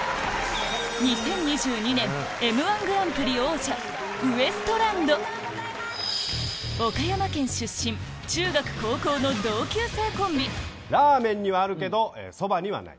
２０２２年『Ｍ−１グランプリ』王者ウエストランド岡山県出身中学高校の同級生コンビラーメンにはあるけどそばにはない。